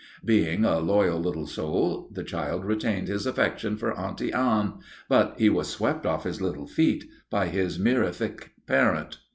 Being a loyal little soul, the child retained his affection for Auntie Anne, but he was swept off his little feet by his mirific parent.